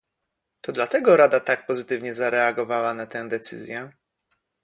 To dlatego Rada tak pozytywnie zareagowała na tę decyzję